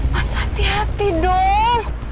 mas hati hati dong